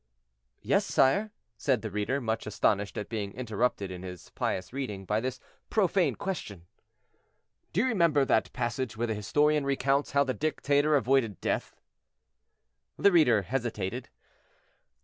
"Yes, sire," said the reader, much astonished at being interrupted in his pious reading by this profane question. "Do you remember that passage where the historian recounts how the dictator avoided death?" The reader hesitated.